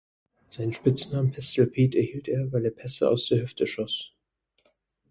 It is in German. Seinen Spitznamen „Pistol Pete“ erhielt er, weil er Pässe aus der Hüfte „schoss“.